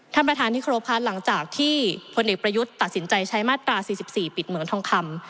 ท่านประธานที่ครบค่ะหลังจากที่พลเอกประยุทธ์ตัดสินใจใช้มาตรา๔๔ปิดเหมืองทองคำ